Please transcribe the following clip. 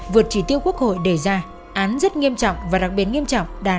vượt trí tiêu quốc hội đề ra án rất nghiêm trọng và đặc biệt nghiêm trọng đạt tám mươi ba